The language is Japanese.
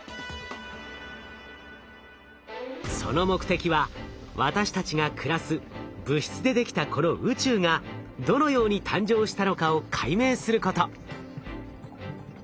その目的は私たちが暮らす物質でできたこの宇宙がどのように誕生したのかを解明すること。